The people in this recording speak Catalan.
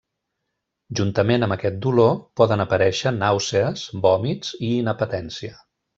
Juntament amb aquest dolor, poden aparèixer nàusees, vòmits i inapetència.